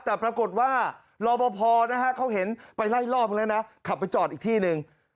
แต่ปรากฏว่ารอบพอนะฮะเขาเห็นไปไล่รอบนึงแล้วนะขับไปจอดอีกที่หนึ่ง